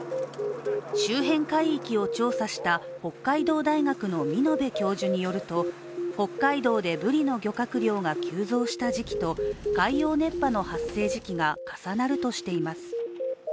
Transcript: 周辺海域を調査した北海道大学の見延教授によると北海道でブリの漁獲量が急増した時期と海洋熱波の発生時期が重なるとしています。